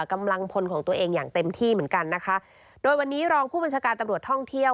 กำลังพลของตัวเองอย่างเต็มที่เหมือนกันนะคะโดยวันนี้รองผู้บัญชาการตำรวจท่องเที่ยว